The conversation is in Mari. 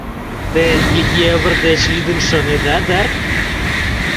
Те «льевыр» деч лӱдын шонеда, дыр?